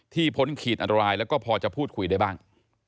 พ้นขีดอันตรายแล้วก็พอจะพูดคุยได้บ้าง